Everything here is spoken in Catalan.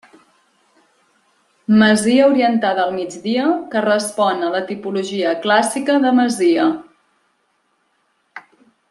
Masia orientada al migdia que respon a la tipologia clàssica de masia.